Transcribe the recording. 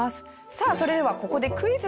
さあそれではここでクイズです。